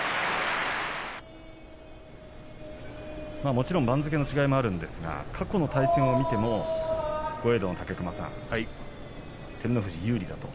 もちろん番付の違いはあるんですが過去の対戦を見ても武隈さん、照ノ富士、有利だと。